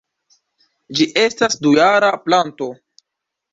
Ĝi estas dujara planto.